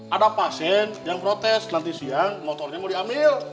ada pasien yang protes nanti siang motornya mau diambil